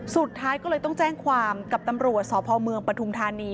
สุดท้ายก็เลยต้องแจ้งความกับตำรวจสพเมืองปฐุมธานี